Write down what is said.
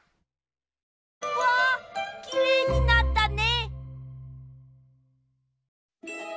うわきれいになったね！